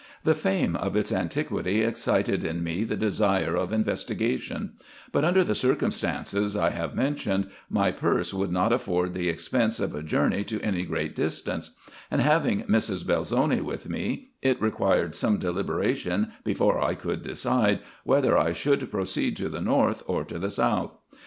The fame of its antiquity excited in me the desire of investigation ; but, under the circumstances I have mentioned, my purse would not afford the expenses of a journey to any great distance ; and having Mrs. Bel zoni with me, it required some deliberation, before I could decide, whether I should proceed to the north or to the south.